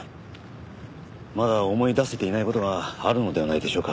まだ思い出せていない事があるのではないでしょうか。